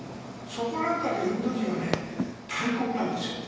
そこの辺りをインド人は大国なんですよ。